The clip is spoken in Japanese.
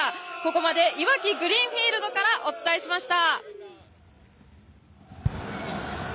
ここまでいわきグリーンフィールドからお伝えしました。